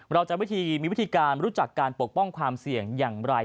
เราจะมีวิธีการรู้จักการปกป้องความเสี่ยงอย่างไร